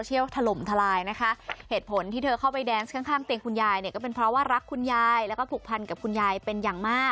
โชว์ฬีลาสเต็ปเต้นกับหลานกับยายจะเป็นยังไงไปดูกันเลยค่ะ